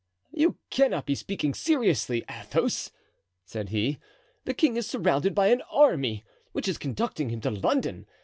"You cannot be speaking seriously, Athos!" said he; "the king is surrounded by an army, which is conducting him to London.